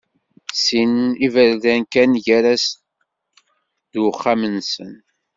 Sin n yiberdan kan gar-as d uxxam-nsen.